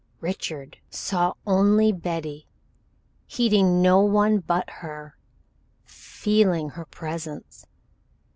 Richard saw only Betty, heeding no one but her, feeling her presence.